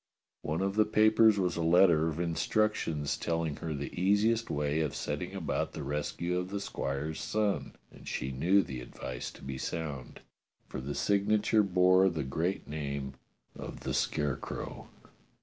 One of the papers was a letter of instructions telling her the easiest way of setting about the rescue of the squire's son, and she knew the advice to be sound, for the signature bore the great name of the Scarecrow.